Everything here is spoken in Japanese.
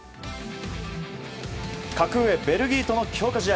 格上ベルギーとの強化試合。